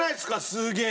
すげえ。